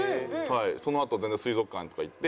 そのあと全然水族館とか行って。